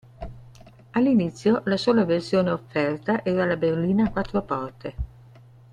All'inizio la sola versione offerta era la berlina quattro porte.